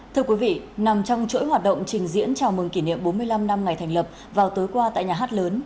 thưa quý vị nằm trong chuỗi hoạt động trình diễn chào mừng kỷ niệm bốn mươi năm năm ngày thành lập vào tối qua tại nhà hát lớn